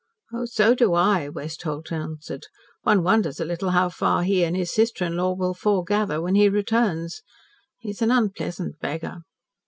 "So do I," Westholt answered. "One wonders a little how far he and his sister in law will 'foregather' when he returns. He's an unpleasant beggar."